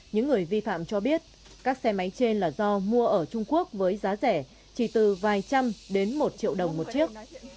những người vi phạm cho biết các xe máy trên là do mua ở trung quốc với giá rẻ chỉ từ vài trăm đến một triệu đồng một chiếc